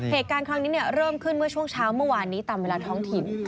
เหตุการณ์ครั้งนี้เริ่มขึ้นเมื่อช่วงเช้าเมื่อวานนี้ตามเวลาท้องถิ่น